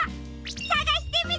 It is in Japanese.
さがしてみてね！